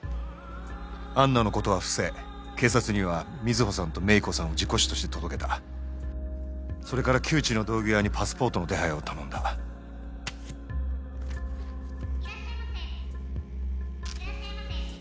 アンナのことは伏せ警察には水帆さんと芽衣子さんを事故死として届けたそれから旧知の道具屋にパスポートの手配を頼んだいらっしゃいませいらっしゃいませ。